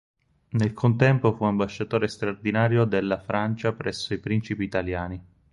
Nel contempo fu ambasciatore straordinario della Francia presso i principi italiani.